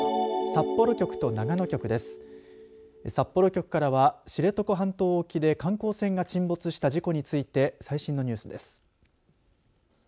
札幌局からは知床半島沖で観光船が沈没した事故について最新のニュースです。